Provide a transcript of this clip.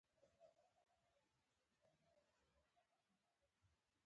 څلرویشت کلن نوحه حامد د لاریون په اړه خپل نظر بیانوي.